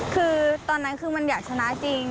คือตอนนั้นคือมันอยากชนะจริง